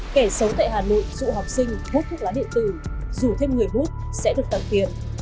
kẻ xấu tại hà nội dụ học sinh hút thuốc lá điện tử rủ thêm người hút sẽ được tặng tiền